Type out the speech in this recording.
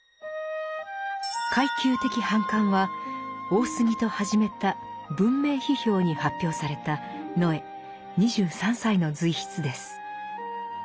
「階級的反感」は大杉と始めた「文明批評」に発表された野枝２３歳の随筆です。